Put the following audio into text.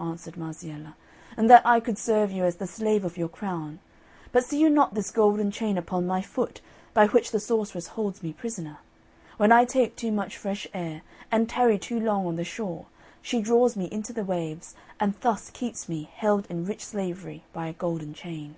answered Marziella, "and that I could serve you as the slave of your crown! But see you not this golden chain upon my foot, by which the sorceress holds me prisoner? When I take too much fresh air, and tarry too long on the shore, she draws me into the waves, and thus keeps me held in rich slavery by a golden chain."